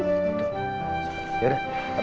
masya allah ya bi